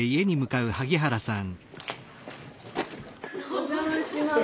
お邪魔します。